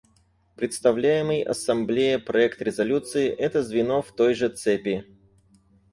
Представляемый Ассамблее проект резолюции — это звено в той же цепи.